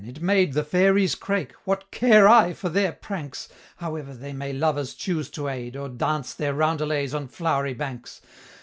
it made The fairies quake. "What care I for their pranks, However they may lovers choose to aid, Or dance their roundelays on flow'ry banks?